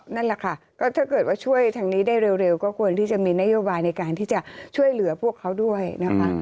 นั่นแหละค่ะก็ถ้าเกิดว่าช่วยทางนี้ได้เร็วก็ควรที่จะมีนโยบายในการที่จะช่วยเหลือพวกเขาด้วยนะคะ